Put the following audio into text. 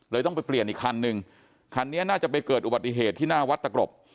ต้องไปเปลี่ยนอีกคันนึงคันนี้น่าจะไปเกิดอุบัติเหตุที่หน้าวัดตะกรบ